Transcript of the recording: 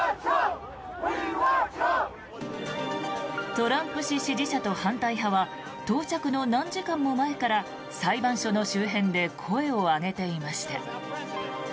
トランプ氏支持者と反対派は到着の何時間も前から裁判所の周辺で声を上げていました。